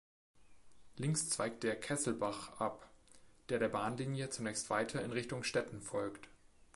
Links zweigt der "Kesselbach" ab, der der Bahnlinie zunächst weiter in Richtung Stetten folgt.